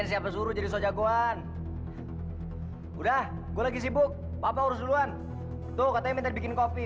siapa suruh jadi sojagoan udah gue lagi sibuk papa urusan tuh katanya bikin kopi